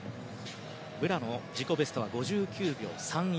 武良の自己ベストは５９秒３１。